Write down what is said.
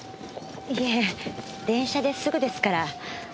いえ電車ですぐですから。